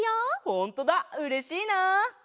ほんとだうれしいな！